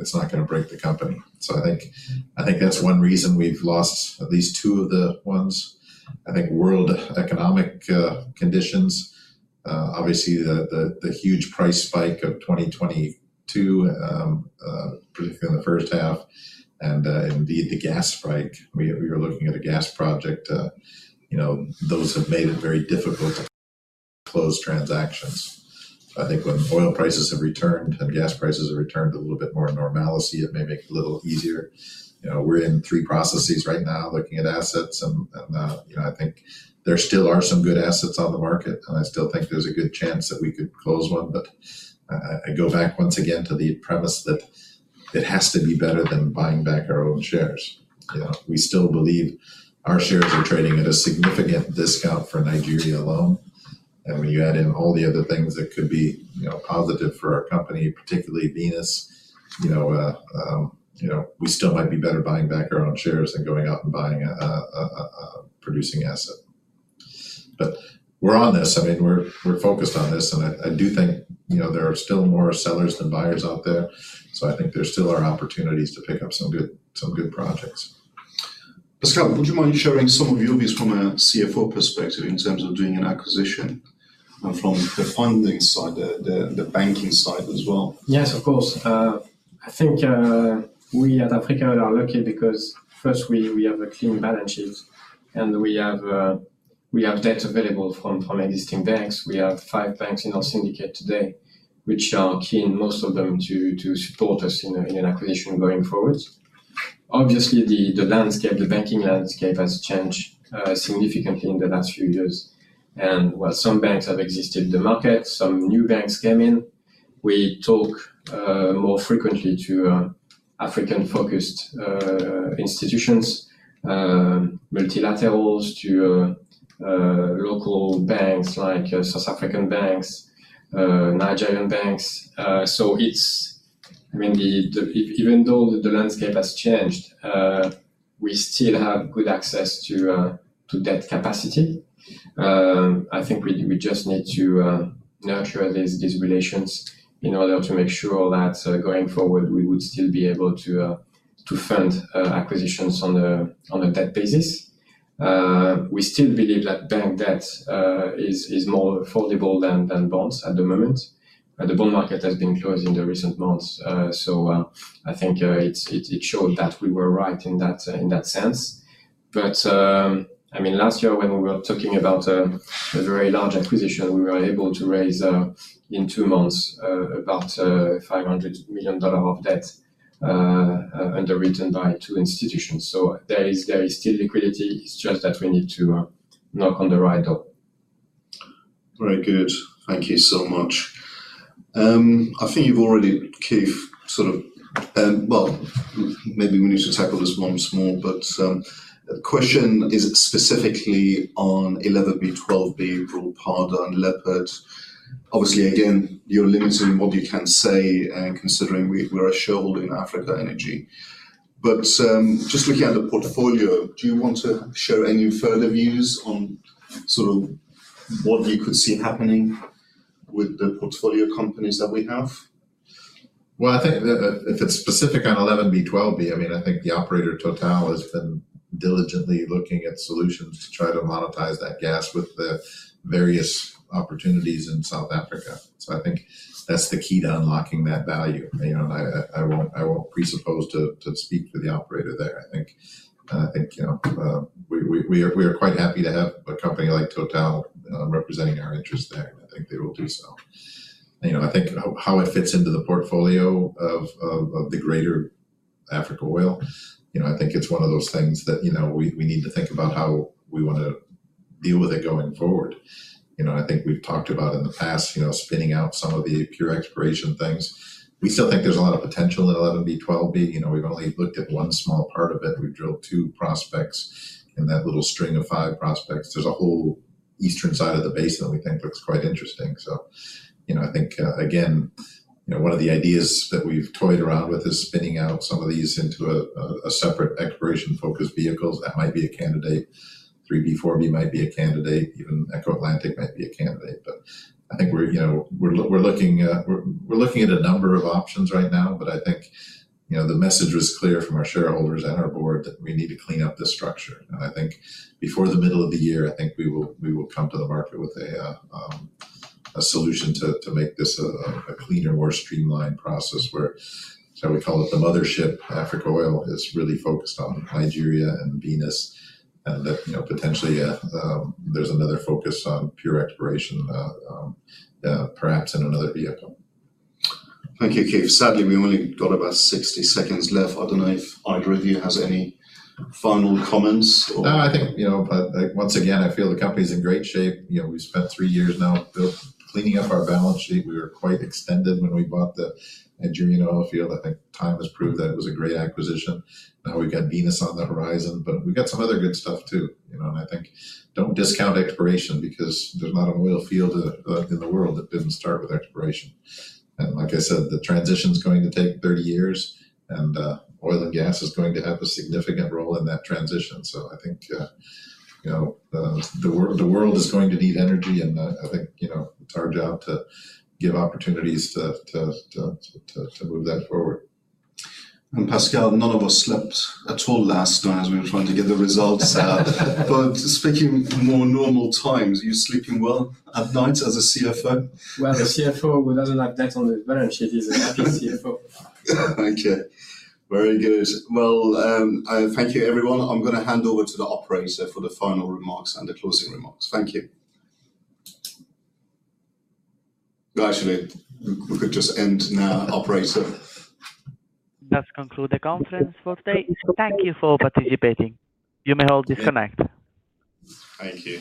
it's not gonna break the company. I think that's one reason we've lost at least two of the ones. I think world economic conditions, obviously the huge price spike of 2022, particularly in the first half and indeed the gas spike, we were looking at a gas project, you know, those have made it very difficult to close transactions. I think when oil prices have returned and gas prices have returned to a little bit more normalcy, it may make it a little easier. You know, we're in three processes right now looking at assets and, you know, I think there still are some good assets on the market, and I still think there's a good chance that we could close one. I go back once again to the premise that it has to be better than buying back our own shares. You know, we still believe our shares are trading at a significant discount for Nigeria alone. When you add in all the other things that could be, you know, positive for our company, particularly Venus, you know, you know, we still might be better buying back our own shares than going out and buying a producing asset. We're on this. I mean, we're focused on this, and I do think, you know, there are still more sellers than buyers out there. I think there still are opportunities to pick up some good projects. Pascal, would you mind sharing some of your views from a CFO perspective in terms of doing an acquisition and from the funding side, the banking side as well? Yes, of course. I think, we at Africa are lucky because first we have a clean balance sheet and we have debt available from existing banks. We have five banks in our syndicate today, which are keen, most of them to support us in an acquisition going forward. Obviously, the landscape, the banking landscape has changed significantly in the last few years. While some banks have exited the market, some new banks came in. We talk more frequently to African-focused institutions, multilaterals to local banks like South African banks, Nigerian banks. I mean, even though the landscape has changed, we still have good access to debt capacity. I think we just need to nurture these relations in order to make sure that going forward we would still be able to fund acquisitions on a debt basis. We still believe that bank debt is more affordable than bonds at the moment. The bond market has been closed in the recent months. I think it showed that we were right in that sense. I mean, last year when we were talking about a very large acquisition, we were able to raise in two months about $500 million of debt underwritten by two institutions. There is still liquidity. It's just that we need to knock on the right door. Very good. Thank you so much. I think you've already, Keith, sort of... well, maybe we need to tackle this once more, but the question is specifically on 11B/12B, Brulpadda, and Luiperd. Obviously, again, you're limited in what you can say, considering we're a shareholder in Africa Energy. Just looking at the portfolio, do you want to share any further views on sort of what we could see happening with the portfolio companies that we have? Well, I think if it's specific on 11B/12B, I mean, I think the operator Total has been diligently looking at solutions to try to monetize that gas with the various opportunities in South Africa. I think that's the key to unlocking that value. You know, I won't presuppose to speak for the operator there. I think, you know, we are quite happy to have a company like Total representing our interests there. I think they will do so. You know, I think how it fits into the portfolio of the greater Africa Oil, you know, I think it's one of those things that, you know, we need to think about how we wanna deal with it going forward. You know, I think we've talked about in the past, you know, spinning out some of the pure exploration things. We still think there's a lot of potential in 11B/12B. You know, we've only looked at one small part of it. We drilled two prospects in that little string of five prospects. There's a whole eastern side of the basin that we think looks quite interesting. You know, I think, again, you know, one of the ideas that we've toyed around with is spinning out some of these into a separate exploration-focused vehicles. That might be a candidate. 3B/4B might be a candidate. Even Eco Atlantic might be a candidate. I think we're, you know, we're looking at a number of options right now, but I think, you know, the message was clear from our shareholders and our board that we need to clean up this structure. I think before the middle of the year, I think we will come to the market with a solution to make this a cleaner, more streamlined process where, shall we call it the mothership, Africa Oil, is really focused on Nigeria and Venus. That, you know, potentially, there's another focus on pure exploration, perhaps in another vehicle. Thank you, Keith. Sadly, we only got about 60 s left. I don't know if either of you has any final comments or... No, I think, you know, once again, I feel the company is in great shape. You know, we spent three years now cleaning up our balance sheet. We were quite extended when we bought the Angola oil field. I think time has proved that it was a great acquisition. Now we've got Venus on the horizon, we've got some other good stuff too, you know. I think don't discount exploration because there's not an oil field in the world that didn't start with exploration. Like I said, the transition is going to take 30 years, and oil and gas is going to have a significant role in that transition. I think, you know, the world is going to need energy, and, I think, you know, it's our job to give opportunities to move that forward. Pascal, none of us slept at all last night as we were trying to get the results out. Speaking in more normal times, are you sleeping well at night as a CFO? Well, a CFO who doesn't have debt on his balance sheet is a happy CFO. Thank you. Very good. Well, thank you everyone. I'm gonna hand over to the operator for the final remarks and the closing remarks. Thank you. No, actually, we could just end now, operator. That conclude the conference for today. Thank you for participating. You may all disconnect. Thank you.